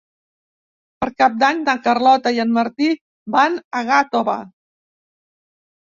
Per Cap d'Any na Carlota i en Martí van a Gàtova.